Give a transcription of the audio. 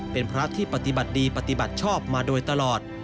เป็นพระที่ปฏิบัติดีปฏิบัติชอบมาโดยตลอด